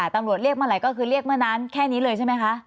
ตำรวจเรียกเมื่อไหร่ก็คือเรียกเมื่อนั้นแค่นี้เลยใช่ไหมคะ